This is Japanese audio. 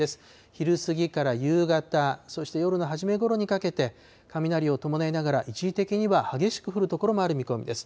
昼過ぎから夕方、そして夜の初めごろにかけて、雷を伴いながら、一時的には激しく降る所もある見込みです。